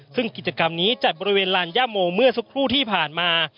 ซึ่งกิจกรรมนี้จัดบริเวณลานย่าโมเมื่อสักครู่ที่ผ่านมา